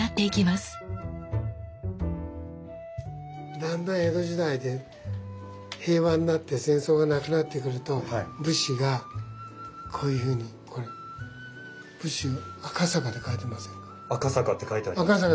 だんだん江戸時代で平和になって戦争がなくなってくると武士がこういうふうにこれ赤坂って書いてませんか？